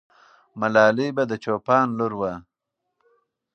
ملالۍ به د چوپان لور وه.